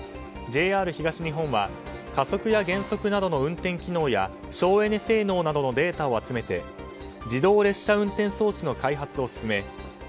ＪＲ東日本は加速や減速などの運転機能や省エネ性能などのデータを集めて自動列車運転装置の開発を進め